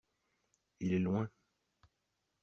Il est loin.